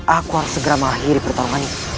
aku harus segera mengakhiri pertarungan ini